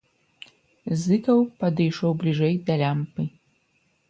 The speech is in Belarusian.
Зыкаў падышоў бліжэй да лямпы.